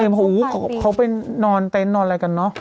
โอ้โหเขาไปนอนเต็นต์นอนอะไรกันเนอะ